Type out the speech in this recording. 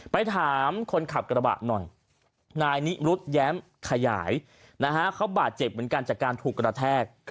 ไปถามคนขับกระบะหน่อยนายนิรุธแย้มขยายเขาบาดเจ็บเหมือนกันจากการถูกกระแทก